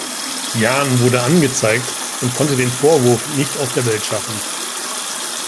Jahn wurde angezeigt und konnte den Vorwurf nicht aus der Welt schaffen.